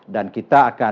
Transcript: dan kita akan